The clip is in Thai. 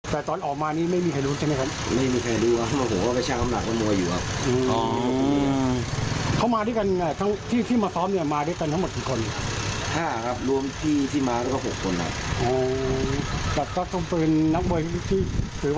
ซ้อมมวยเฉยอืมแบบเป็นตัวเก่งของซ่อมอีเดนเลย